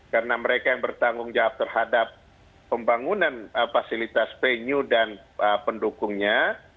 karena mereka yang bertanggung jawab terhadap pembangunan fasilitas venue dan pendukungnya